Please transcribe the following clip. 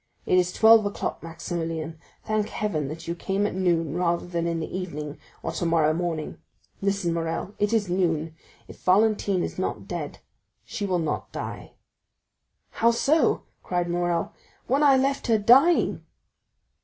It is twelve o'clock, Maximilian; thank heaven that you came at noon rather than in the evening, or tomorrow morning. Listen, Morrel—it is noon; if Valentine is not now dead, she will not die." "How so?" cried Morrel, "when I left her dying?"